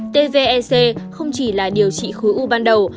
tvec không chỉ là điều trị khối u ban đầu